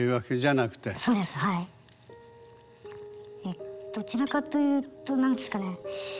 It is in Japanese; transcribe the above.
えっどちらかというと何ですかね